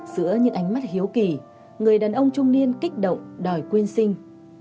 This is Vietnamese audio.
giữa những ánh mắt hiếu kỳ người đàn ông trung niên kích động đòi quyên sinh